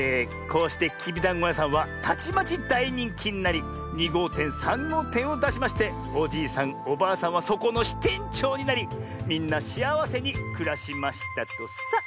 こうしてきびだんごやさんはたちまちだいにんきになり２ごうてん３ごうてんをだしましておじいさんおばあさんはそこのしてんちょうになりみんなしあわせにくらしましたとさ。